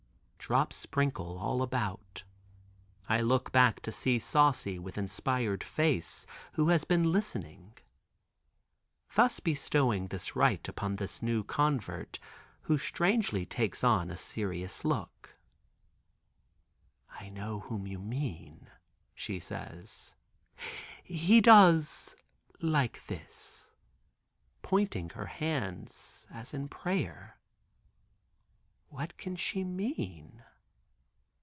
Drops sprinkle all about. I look back of me to see Saucy with inspired face who has been listening. Thus bestowing this rite upon this new convert, who strangely takes on a serious look. "I know whom you mean," she says. "He does like this," pointing her hands as in prayer. What can she mean?